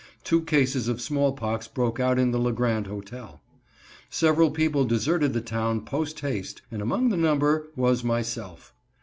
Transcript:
Two cases of smallpox broke out in the LeGrand Hotel. Several people deserted the town post haste, and among the number was myself.